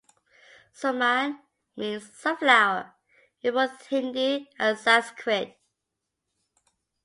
"Suman" means "sunflower" in both Hindi and Sanskrit.